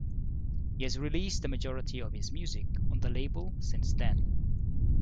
He has released the majority of his music on the label since then.